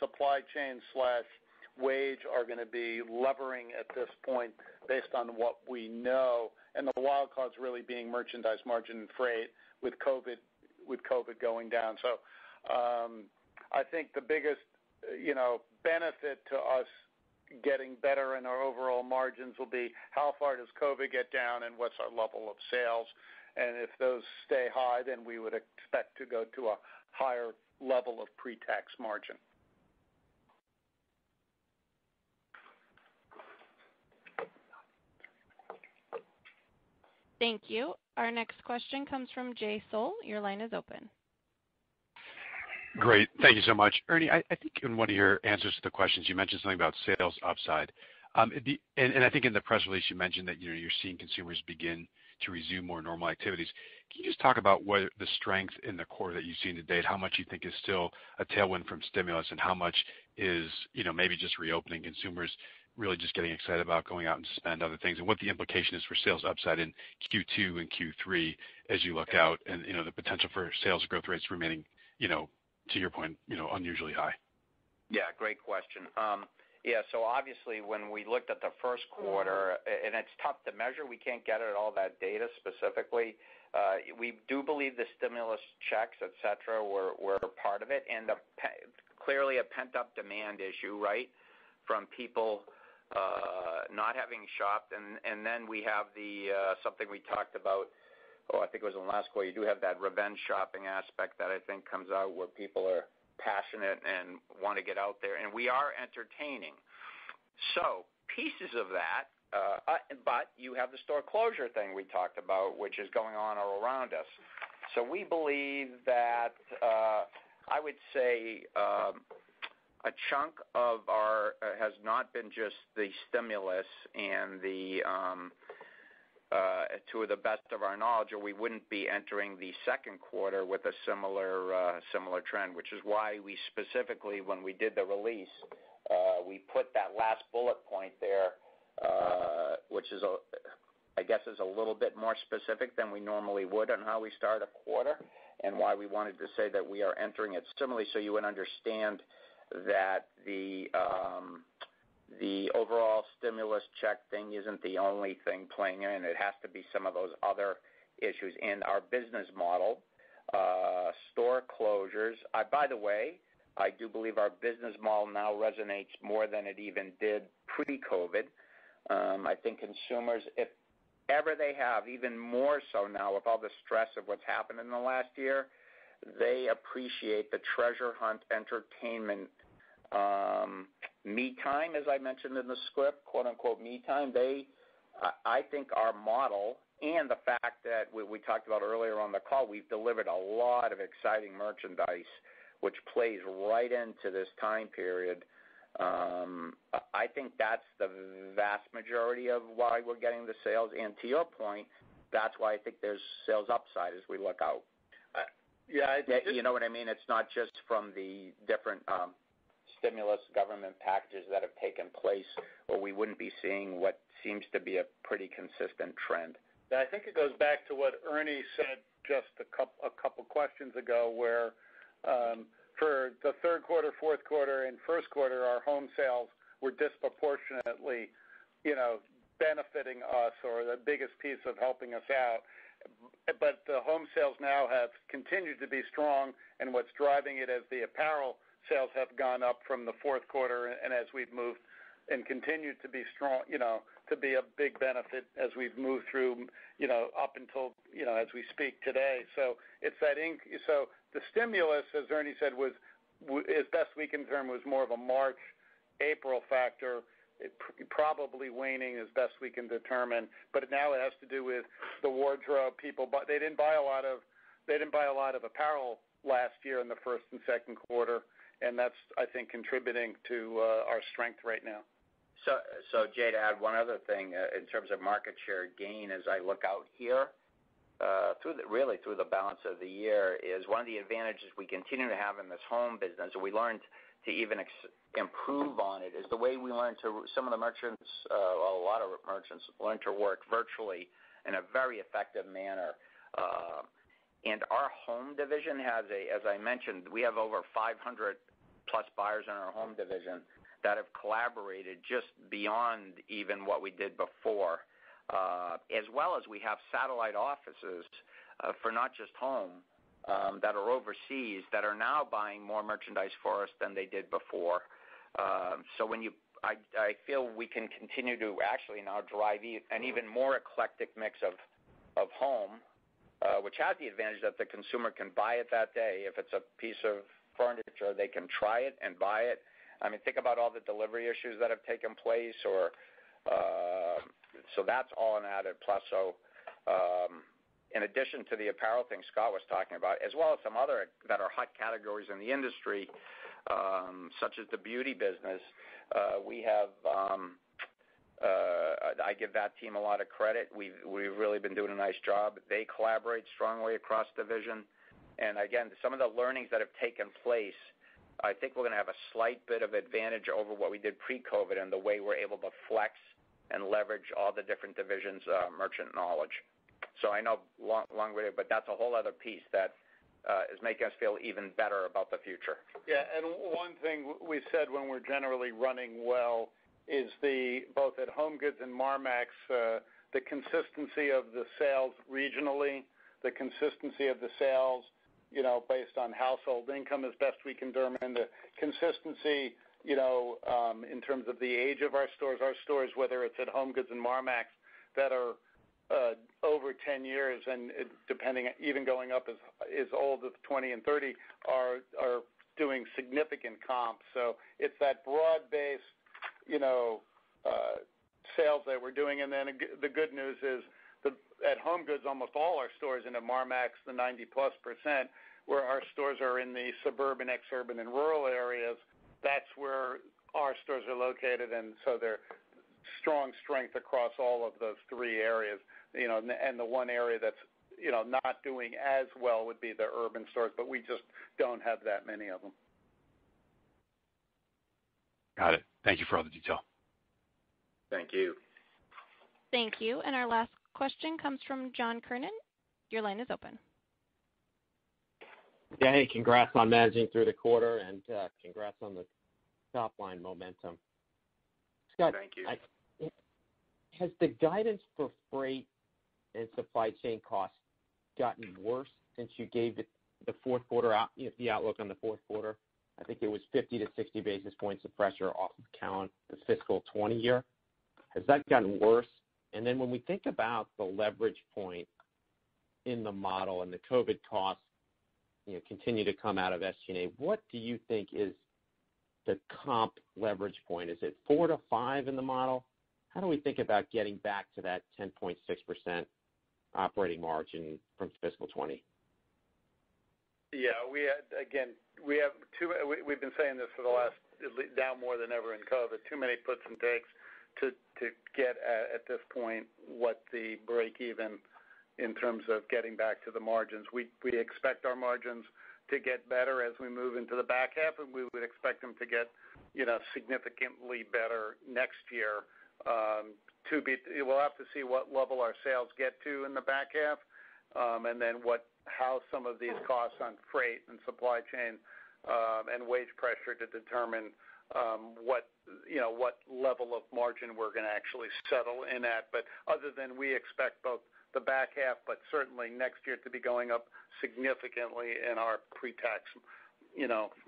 supply chain/wage are going to be levering at this point based on what we know, and the wild card's really being merchandise margin and freight with COVID going down. I think the biggest, you know benefit to us getting better in our overall margins will be how far does COVID get down and what's our level of sales. If those stay high, then we would expect to go to a higher level of pre-tax margin. Thank you. Our next question comes from Jay Sole. Your line is open. Great. Thank you so much. Ernie, I think in one of your answers to the questions, you mentioned something about sales upside. I think in the press release you mentioned that you're seeing consumers begin to resume more normal activities. Can you just talk about what the strength in the core that you've seen to date, how much do you think is still a tailwind from stimulus, and how much is maybe just reopening consumers really just getting excited about going out and spend other things and what the implication is for sales upside in Q2 and Q3 as you look out and the potential for sales growth rates remaining, to your point, unusually high? Great question. Obviously when we looked at the first quarter, and it's tough to measure, we can't get at all that data specifically. We do believe the stimulus checks, et cetera, were a part of it, and clearly a pent-up demand issue from people not having shopped. Then we have something we talked about, I think it was in the last call, you do have that revenge shopping aspect that I think comes out where people are passionate and want to get out there, and we are entertaining. Pieces of that, but you have the store closure thing we talked about, which is going on all around us. We believe that, I would say, a chunk of our has not been just the stimulus and to the best of our knowledge, or we wouldn't be entering the second quarter with a similar trend. Which is why we specifically, when we did the release, we put that last bullet point there, which I guess is a little bit more specific than we normally would on how we start a quarter and why we wanted to say that we are entering it similarly, so you would understand that the overall stimulus check thing isn't the only thing playing in. It has to be some of those other issues in our business model. Store closures. By the way, I do believe our business model now resonates more than it even did pre-COVID. I think consumers, if ever they have even more so now with all the stress of what's happened in the last year, they appreciate the treasure hunt entertainment me time, as I mentioned in the script, "me time." I think our model and the fact that we talked about earlier on the call, we've delivered a lot of exciting merchandise, which plays right into this time period. I think that's the vast majority of why we're getting the sales. To your point, that's why I think there's sales upside as we look out. You know what I mean? It's not just from the different stimulus government packages that have taken place, or we wouldn't be seeing what seems to be a pretty consistent trend. I think it goes back to what Ernie said just a couple questions ago, where for the third quarter, fourth quarter, and first quarter, our home sales were disproportionately benefiting us or the biggest piece of helping us out. The home sales now have continued to be strong, and what's driving it is the apparel sales have gone up from the fourth quarter, and as we've moved and continued to be a big benefit as we've moved through up until as we speak today. The stimulus, as Ernie said, as best we can determine, was more of a March, April factor. It probably waning as best we can determine. Now it has to do with the wardrobe. They didn't buy a lot of They didn't buy a lot of apparel last year in the first and second quarter, and that's, I think, contributing to our strength right now. Jay, to add one other thing in terms of market share gain as I look out here, really through the balance of the year, is one of the advantages we continue to have in this Home business, and we learned to even improve on it, is the way we learned to, Some of the merchants, a lot of merchants, learned to work virtually in a very effective manner. Our Home division has, as I mentioned, we have over 500 plus buyers in our Home division that have collaborated just beyond even what we did before. As well as we have satellite offices for not just Home, that are overseas, that are now buying more merchandise for us than they did before. I feel we can continue to rationally now drive an even more eclectic mix of home, which has the advantage that the consumer can buy it that day. If it's a piece of furniture, they can try it and buy it. I mean, think about all the delivery issues that have taken place. That's all an added plus. In addition to the apparel thing Scott was talking about, as well as some other that are hot categories in the industry, such as the beauty business, I give that team a lot of credit. We've really been doing a nice job. They collaborate strongly across division. Again, some of the learnings that have taken place, I think we're going to have a slight bit of advantage over what we did pre-COVID in the way we're able to flex and leverage all the different divisions' merchant knowledge. I know, long-winded, but that's a whole other piece that is making us feel even better about the future. Yeah, one thing we said when we're generally running well is the, both at HomeGoods and Marmaxx, the consistency of the sales regionally, the consistency of the sales based on household income as best we can determine. The consistency in terms of the age of our stores, whether it's at HomeGoods and Marmaxx that are over 10 years and even going up as old as 20 and 30, are doing significant comps. It's that broad base sales that we're doing. The good news is at HomeGoods, almost all our stores, and at Marmaxx, the 90% plus, where our stores are in the suburban, exurban, and rural areas, that's where our stores are located. They're strong strength across all of those three areas. The one area that's not doing as well would be the urban stores, but we just don't have that many of them. Got it. Thank you for all the detail. Thank you. Thank you. Our last question comes from John Klinger. Your line is open. [Danny], congrats on managing through the quarter and congrats on the top line momentum. Thank you. Scott, has the guidance for freight and supply chain costs gotten worse since you gave the outlook on the fourth quarter? I think it was 50-60 basis points of pressure off the fiscal 2020 year. Has that gotten worse? When we think about the leverage point in the model and the COVID costs continue to come out of SG&A, what do you think is the comp leverage point? Is it four to five in the model? How do we think about getting back to that 10.6% operating margin from fiscal 2020? Yeah, again, we've been saying this now more than ever in COVID, too many puts and takes to get at this point what the break even in terms of getting back to the margins. We expect our margins to get better as we move into the back half, and we would expect them to get significantly better next year. We'll have to see what level our sales get to in the back half, and then how some of these costs on freight and supply chain, and wage pressure to determine what level of margin we're going to actually settle in at. Other than we expect both the back half, but certainly next year to be going up significantly in our pre-tax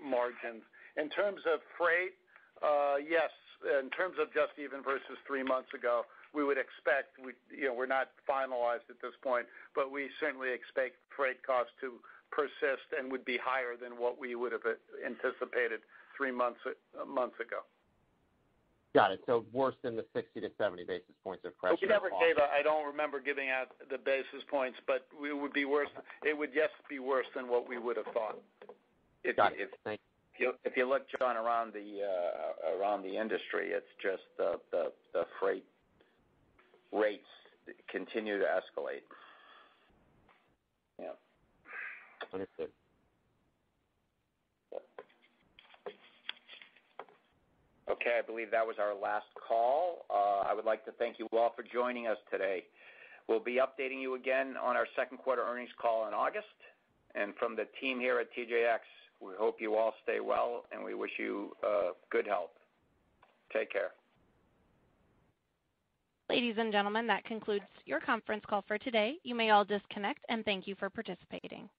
margins. In terms of freight, yes, in terms of just even versus three months ago, we would expect, we're not finalized at this point, but we certainly expect freight costs to persist and would be higher than what we would have anticipated three months ago. Got it. worse than the 50-70 basis points of pressure- To be perfectly honest, I don't remember giving out the basis points, but it would, yes, be worse than what we would've thought. Got it. Thank you. If you look, John, around the industry, it's just the freight rates continue to escalate. Yeah. Understood. Yep. Okay, I believe that was our last call. I would like to thank you all for joining us today. We'll be updating you again on our second quarter earnings call in August. From the team here at TJX, we hope you all stay well, and we wish you good health. Take care. Ladies and gentlemen, that concludes your conference call for today. You may all disconnect, and thank you for participating.